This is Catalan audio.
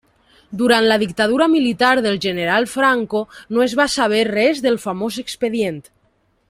Durant la dictadura militar del general Franco no es va saber res del famós expedient.